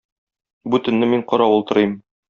Бу төнне мин каравыл торыйм.